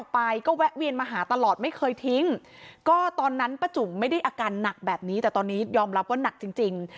ไม่ได้อาการหนักแบบนี้แต่ตอนนี้ยอมรับว่าหนักจริง